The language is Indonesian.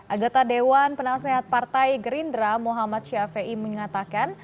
agata dewan penasehat partai gerindra muhammad syafiei mengatakan